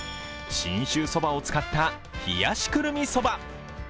信州そばを使った冷やしくるみ蕎麦。